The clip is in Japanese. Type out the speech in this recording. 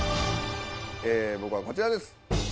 僕はこちらです。